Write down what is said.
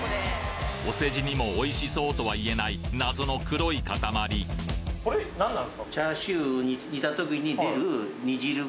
お世辞にもおいしそうとは言えない謎の黒い塊どんどん。